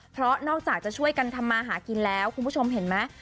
เพราะนอกจากจะช่วยกันทำมาหากินแล้วคุณผู้ชมเห็นไหม